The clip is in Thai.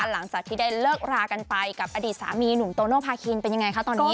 หลังจากที่ได้เลิกรากันไปกับอดีตสามีหนุ่มโตโนภาคินเป็นยังไงคะตอนนี้